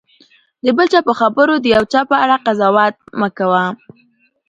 د بل چا په خبرو د یو چا په اړه قضاوت مه کوه.